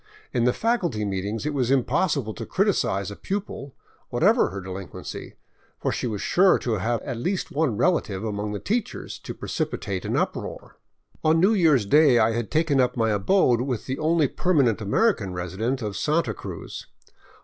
In the faculty meetings it was impossible to criticize a pupil, whatever her delinquency, for she was sure to have at least one relative among the teachers to precipitate an uproar. On New Year's Day I had taken up my abode with the only perma nent American resident of Santa Cruz.